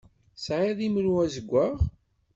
Tesεiḍ imru azeggaɣ?